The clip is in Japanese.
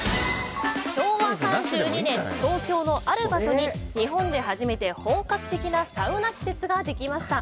昭和３２年、東京のある場所に日本で初めて本格的なサウナ施設ができました。